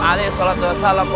alayhi salatu wasalam